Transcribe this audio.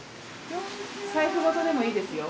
財布ごとでもいいですよ。